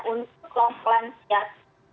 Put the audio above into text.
untuk long plan siap